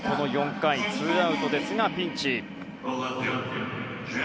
４回ツーアウトですがピンチ。